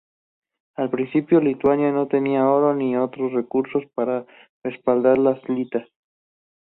Al principio Lituania no tenía oro ni otros recursos para respaldar la litas.